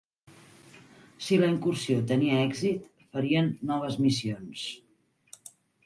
Si la incursió tenia èxit, farien noves missions.